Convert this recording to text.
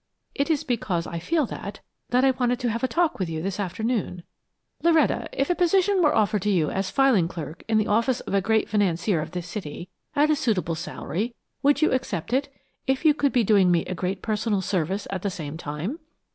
"It is because I feel that, that I wanted to have a talk with you this afternoon. Loretta, if a position were offered to you as filing clerk in the office of a great financier of this city, at a suitable salary, would you accept it, if you could be doing me a great personal service at the same time?"